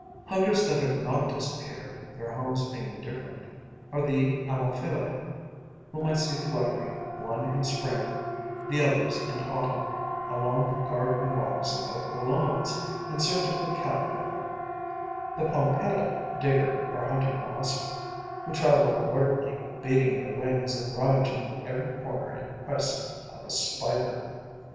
Hunters that have not disappeared, their homes being different, are the Ammophilae, whom I see fluttering, one in spring, the others in autumn, along the garden walks and over the lawns, in search of a caterpillar; the Pompili [digger or hunting wasp], who travel alertly, beating their wings and rummaging in every corner in quest of a spider.